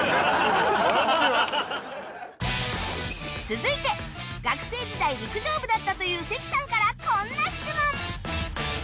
続いて学生時代陸上部だったという関さんからこんな質問